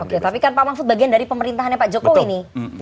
oke tapi kan pak mahfud bagian dari pemerintahannya pak jokowi nih